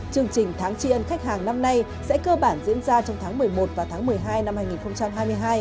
chương trình tháng tri ân khách hàng năm nay sẽ cơ bản diễn ra trong tháng một mươi một và tháng một mươi hai năm hai nghìn hai mươi hai